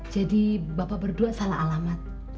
jadi bapak berdua salah alamat